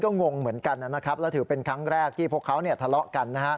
ก็งงเหมือนกันนะครับแล้วถือเป็นครั้งแรกที่พวกเขาทะเลาะกันนะฮะ